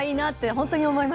本当に思いました。